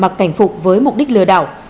và cảnh phục với mục đích lừa đảo